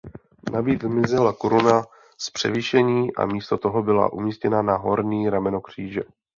Navíc zmizela koruna z převýšení a místo toho byla umístěna na horní rameno kříže.